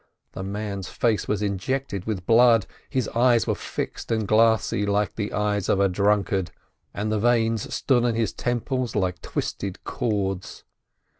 The man's face was injected with blood, his eyes were fixed and glassy like the eyes of a drunkard, and the veins stood on his temples like twisted cords.